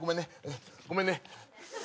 ごめんね。